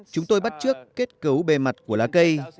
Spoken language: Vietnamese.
chúng tôi bắt trước kết cấu bề mặt của lá cây